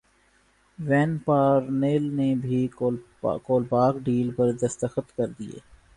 when Parnell نے بھی Kolpak deal پر دستخط کردیے